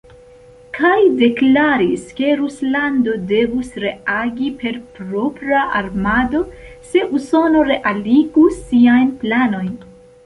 Kaj deklaris, ke Ruslando devus reagi per propra armado, se Usono realigus siajn planojn.